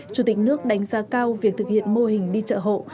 chủ tịch nước đánh giá cao việc thực hiện mô hình đi chợ hộ